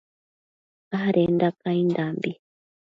adenda caindambi